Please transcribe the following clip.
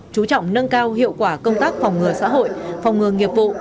chú trọng nâng cao hiệu quả công tác phòng ngừa xã hội phòng ngừa nghiệp vụ